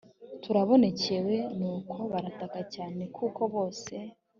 turabonekewe nuko barataka cyane kuko bose